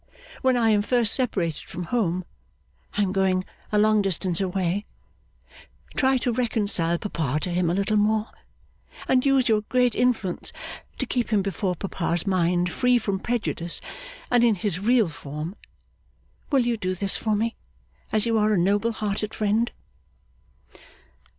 when I am first separated from home (I am going a long distance away), try to reconcile papa to him a little more, and use your great influence to keep him before papa's mind free from prejudice and in his real form. Will you do this for me, as you are a noble hearted friend?